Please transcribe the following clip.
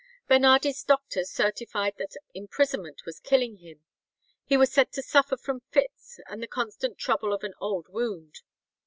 Bernardi's doctors certified that imprisonment was killing him; he was said to suffer from fits and the constant trouble of an old wound.